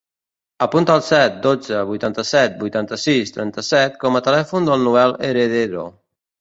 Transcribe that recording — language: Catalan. Apunta el set, dotze, vuitanta-set, vuitanta-sis, trenta-set com a telèfon del Noel Heredero.